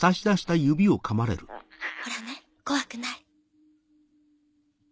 ほらね怖くない。